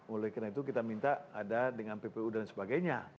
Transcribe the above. oleh karena itu kita minta ada dengan ppu dan sebagainya